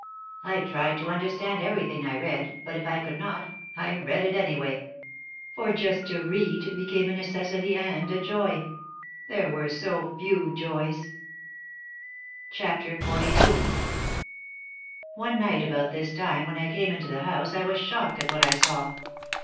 I tried to under stand everything I read but if I could not, I read it any way. For just to read became a necessity and a joy. There were so few joys. 192 OUT OF THE SHADOW XLII One night about this time when I came into the house I was shocked at what I saw.